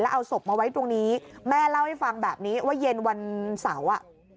เอาศพมาไว้ตรงนี้แม่เล่าให้ฟังแบบนี้ว่าเย็นวันเสาร์อ่ะ